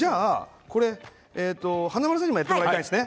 華丸さんにもやってもらいたいんですね。